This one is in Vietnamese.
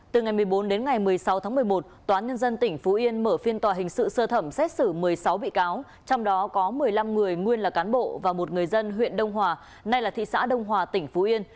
từ ngày một mươi bốn đến ngày một mươi sáu tháng một mươi một tòa nhân dân tỉnh phú yên mở phiên tòa hình sự sơ thẩm xét xử một mươi sáu bị cáo trong đó có một mươi năm người nguyên là cán bộ và một người dân huyện đông hòa nay là thị xã đông hòa tỉnh phú yên